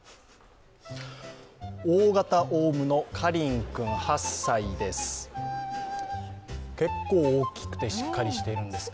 大型オウムのカリン君８歳です。